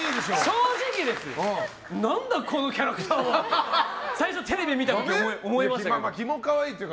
正直ですよ何だこのキャラクターはって最初、テレビを見た時思いましたけど。